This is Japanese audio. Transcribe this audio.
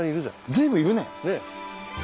随分いるね。